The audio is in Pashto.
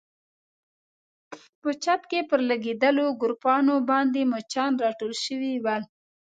په چت کې پر لګېدلو ګروپانو باندې مچان راټول شوي ول.